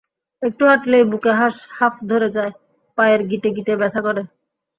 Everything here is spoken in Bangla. একটু হাঁটলেই বুকে হাঁফ ধরে যায়, পায়ের গিঁটে গিঁটে ব্যথা করে।